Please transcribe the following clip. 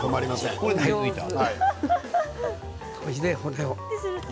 これで骨を。